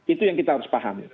itu yang kita harus pahami